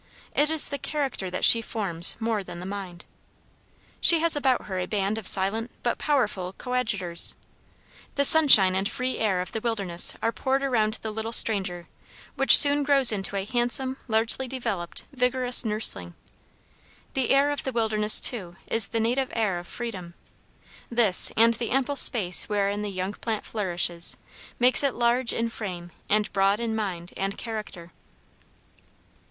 It is the character that she forms more than the mind. She has about her a band of silent but powerful coadjutors. The sunshine and free air of the wilderness are poured around the little stranger, which soon grows into a handsome, largely developed, vigorous nursling. The air of the wilderness, too, is the native air of freedom: this, and the ample space wherein the young plant flourishes, makes it large in frame and broad in mind and character.